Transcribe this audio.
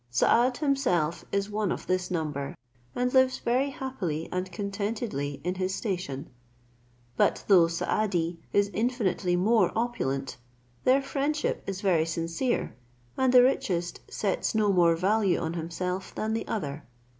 Saad himself is one of this number, and lives very happily and contentedly in his station: but though Saadi is infinitely more opulent, their friendship is very sincere, and the richest sets no more value on himself than the other.